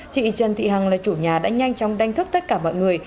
chị trần thị hằng là chủ nhà đã nhanh chóng đánh thức tất cả mọi người